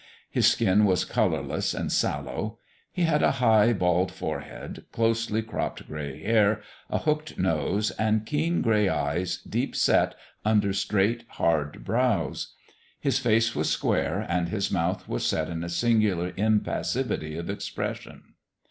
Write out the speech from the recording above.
His skin was colorless and sallow. He had a high, bald forehead, closely cropped gray hair, a hooked nose, and keen, gray eyes deep set under straight, hard brows. His face was square, and his mouth was set in a singular impassivity of expression.